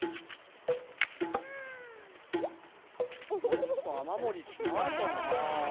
もっとあまもりしないかな。